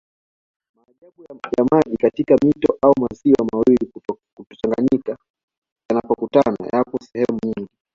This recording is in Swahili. Maajabu ya maji katika mito au maziwa mawili kutochanganyika yanapokutana yapo sehemu nyingi